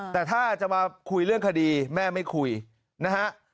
แต่ถ้าจะมาคุยเรื่องคดีแม่ไม่คุยนะฮะ